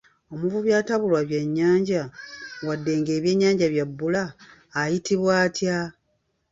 Omuvubi atabulwa byannyanja wadde ng'ebyennyanja bya bbula ayitibwa atya?